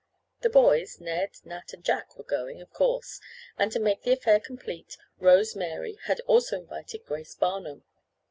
The boys, Ned, Nat and Jack were going, of course, and to make the affair complete Rose Mary had also invited Grace Barnum.